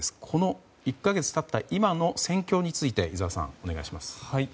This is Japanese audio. この１か月経った今の戦況について井澤さんお願いします。